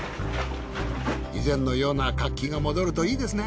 以前のような活気が戻るといいですね。